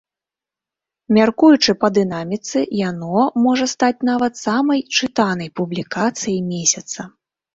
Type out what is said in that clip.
Мяркуючы па дынаміцы, яно можа стаць нават самай чытанай публікацыяй месяца.